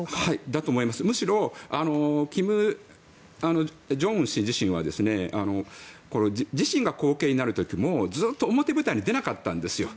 むしろ、金正恩氏自身は自身が後継になる時もずっと表舞台に出なかったんですよ。